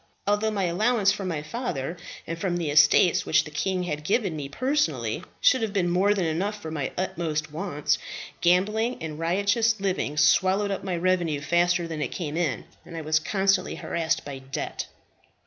Although my allowance from my father, and from the estates which the king had give me personally, should have been more than enough for my utmost wants, gambling and riotous living swallowed up my revenue faster than it came in, and I was constantly harassed by debt.